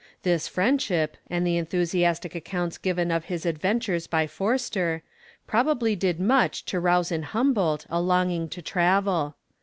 This friendship, and the enthusiastic accounts given of his adventures by Forster, probably did much to rouse in Humboldt a longing to travel.